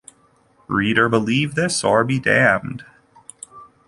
Reader believe this, or be damned.